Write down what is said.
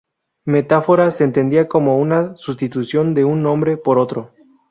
Metáfora se entendía como una "sustitución" de un nombre por otro.